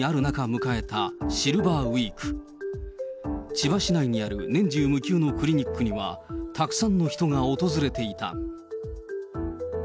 千葉市内にある年中無休のクリニックには、たくさんの人が訪れていた。